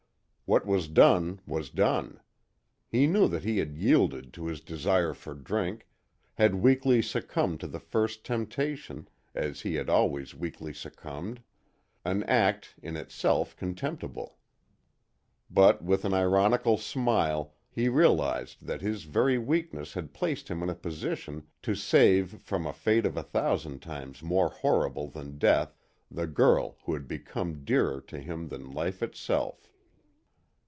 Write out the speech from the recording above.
What was done was done. He knew that he had yielded to his desire for drink, had weakly succumbed to the first temptation, as he had always weakly succumbed an act, in itself contemptible. But with an ironical smile he realized that his very weakness had placed him in a position to save from a fate a thousand times more horrible than death, the girl who had become dearer to him than life itself.